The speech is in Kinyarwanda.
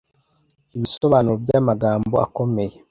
ibisobanuro by'amagambo akomeye